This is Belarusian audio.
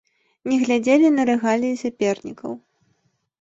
Не глядзелі на рэгаліі сапернікаў.